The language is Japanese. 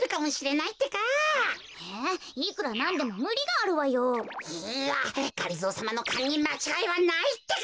いいやがりぞーさまのかんにまちがいはないってか！